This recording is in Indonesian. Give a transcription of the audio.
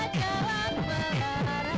jangan pula jalan merah